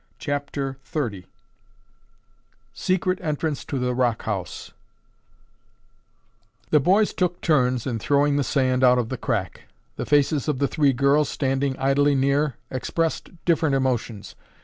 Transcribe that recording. CHAPTER XXX SECRET ENTRANCE TO THE ROCK HOUSE The boys took turns in throwing the sand out of the crack. The faces of the three girls, standing idly near, expressed different emotions.